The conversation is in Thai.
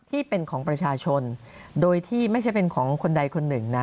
ที่เป็นของประชาชนโดยที่ไม่ใช่เป็นของคนใดคนหนึ่งนะ